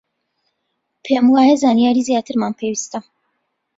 پێم وایە زانیاریی زیاترمان پێویستە.